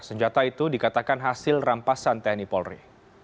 senjata itu dikatakan hasil rampasan tni polri